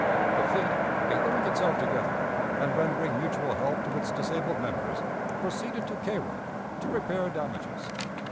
The fleet, gathering itself together, and rendering mutual help to its disabled members, proceeded to Cairo to repair damages."